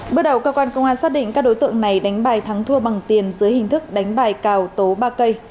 bước đầu cơ quan công an xác định các đối tượng này đánh bài thắng thua bằng tiền dưới hình thức đánh bài cào tố ba cây